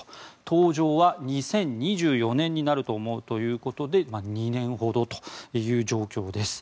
登場は２０２４年になると思うということで２年ほどという状況です。